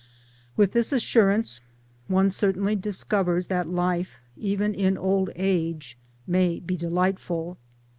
With this assurance one certainly discovers that life even in old age may be delightful 1